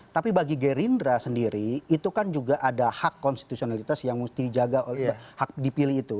tapi bagi gerindra sendiri itu kan juga ada hak konstitusionalitas yang mesti dijaga oleh hak dipilih itu